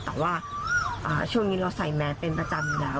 แต่ว่าช่วงนี้เราใส่แมสเป็นประจำอยู่แล้ว